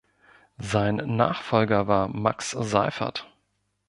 Sein Nachfolger war Max Seiffert.